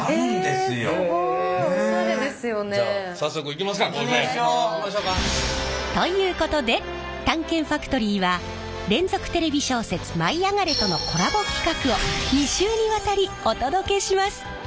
行きましょか。ということで「探検ファトリー」は連続テレビ小説「舞いあがれ！」とのコラボ企画を２週にわたりお届けします！